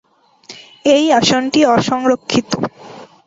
এই আসনটি অসংরক্ষিত।